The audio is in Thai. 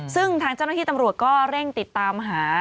ซึ่งทางเจ้าหน้าที่ตำรวจก็เร่งติดตามหา